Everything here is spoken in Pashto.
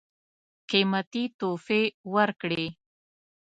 قېمتي تحفې ورکړې.